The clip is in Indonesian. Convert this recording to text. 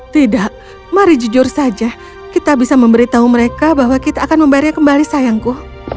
tidak mari jujur saja kita bisa memberitahu mereka bahwa kita akan membayarnya kembali sayangku